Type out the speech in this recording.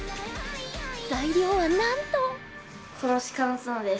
材料は、なんと。